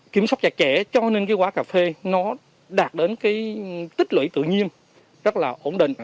kiểm soát trẻ trẻ cho nên cái quả cà phê nó đạt đến cái tích lưỡi tự nhiên rất là ổn định